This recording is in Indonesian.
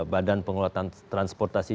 badan pengelolaan transportasi